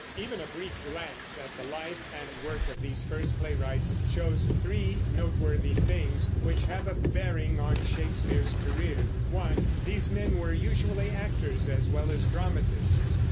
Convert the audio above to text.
Even a brief glance at the life and work of these first playwrights shows three noteworthy things which have a bearing on Shakespeare's career: (1) These men were usually actors as well as dramatists.